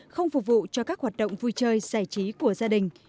không phục vụ cho các hoạt động vui chơi giải trí của gia đình